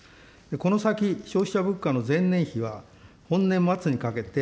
この先、消費者物価の前年比は本年末にかけて、